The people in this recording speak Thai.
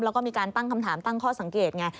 แล้วก็มีการตั้งคำถามตั้งข้อสังเกตไง